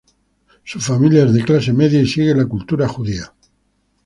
Su familia es de clase media y sigue la cultura judía.